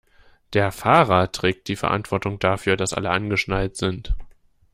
Der Fahrer trägt die Verantwortung dafür, dass alle angeschnallt sind.